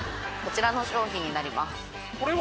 こちらの商品になります。